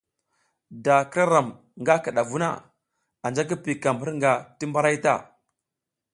Da k ira ram nga kidavu na, anja ki piykam hirnga ti mbaray ta.